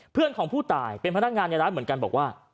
เพื่อนของผู้ตายเป็นพนักงานในร้านเหมือนกันบอกว่า